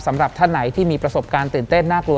สำหรับท่านไหนที่มีประสบการณ์ตื่นเต้นน่ากลัว